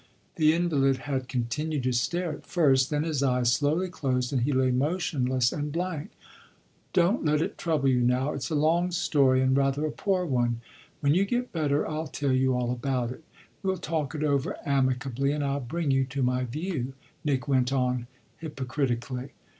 The invalid had continued to stare at first; then his eyes slowly closed and he lay motionless and blank. "Don't let it trouble you now; it's a long story and rather a poor one; when you get better I'll tell you all about it. Well talk it over amicably and I'll bring you to my view," Nick went on hypocritically.